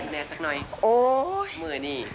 เมื่อนี่